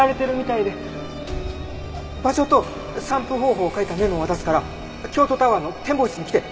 場所と散布方法を書いたメモを渡すから京都タワーの展望室に来て。